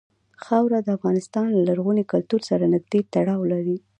خاوره د افغانستان له لرغوني کلتور سره نږدې تړاو لري.